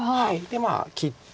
でまあ切って。